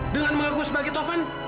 dengan mengaku sebagai taufan